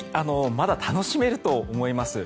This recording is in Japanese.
まだ楽しめると思います。